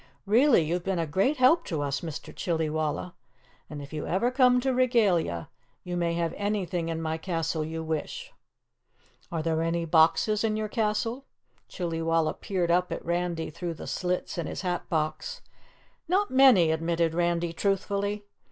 Really, you've been a great help to us, Mr. Chillywalla, and if you ever come to Regalia, you may have anything in my castle you wish!" "Are there any boxes in your castle?" Chillywalla peered up at Randy through the slits in his hat box. "Not many," admitted Randy truthfully.